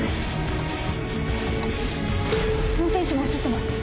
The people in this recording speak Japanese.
運転手も写ってます。